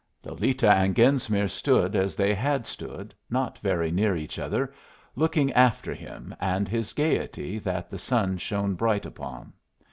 Ay!'" Lolita and Genesmere stood as they had stood, not very near each other, looking after him and his gayety that the sun shone bright upon.